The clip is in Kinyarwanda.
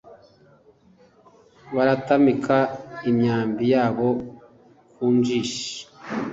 baratamika imyambi yabo ku njishi